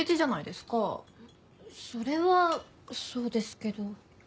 それはそうですけど。